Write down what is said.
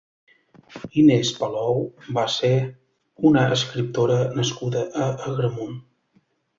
Inés Palou va ser una escriptora nascuda a Agramunt.